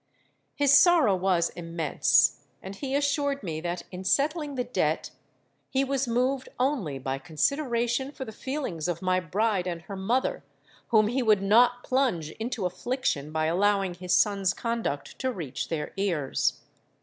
His sorrow was immense; and he assured me that in settling the debt, he was moved only by consideration for the feelings of my bride and her mother, whom he would not plunge into affliction by allowing his son's conduct to reach their ears.